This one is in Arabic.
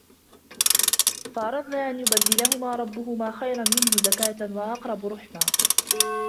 فأردنا أن يبدلهما ربهما خيرا منه زكاة وأقرب رحما